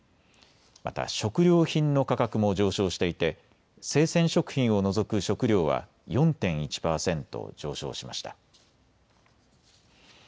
また食料品の価格も上昇していて生鮮食品を除く食料は４．１％上昇しました。